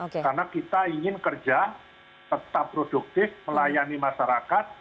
karena kita ingin kerja tetap produktif melayani masyarakat